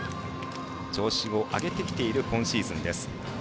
調子を上げてきている今シーズンです。